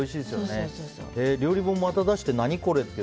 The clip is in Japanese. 料理本、また出して何これって。